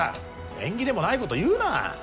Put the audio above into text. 縁起でもないこと言うな！